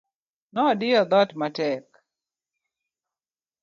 Nodiyo dhoot matek.